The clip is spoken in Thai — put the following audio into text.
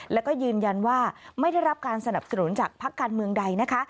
แล้วก็ยืนยันว่าไม่ได้รับการสนับสนุนจากพักการเมืองใดนะคะ